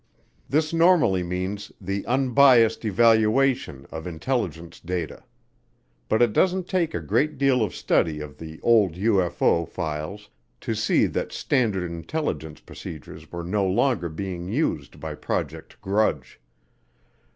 This normally means the unbiased evaluation of intelligence data. But it doesn't take a great deal of study of the old UFO files to see that standard intelligence procedures were no longer being used by Project Grudge.